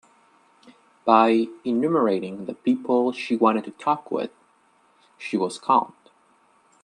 By enumerating the people she wanted to talk with, she was calmed.